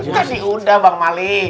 kasih udah bang mali